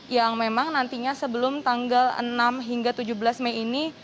yang memang nantinya sebelum tanggal enam hingga tujuh belas mei ini